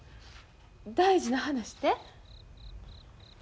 大事な話て？